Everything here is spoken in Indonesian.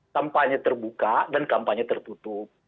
kampanye terbuka dan kampanye tertutup